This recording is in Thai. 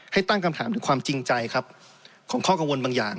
ตั้งคำถามถึงความจริงใจครับของข้อกังวลบางอย่าง